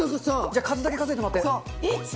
じゃあ数だけ数えてもらって。